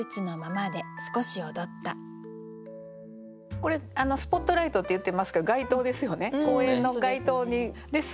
これ「スポットライト」って言ってますけど街灯ですよね